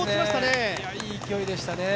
いい勢いでしたね。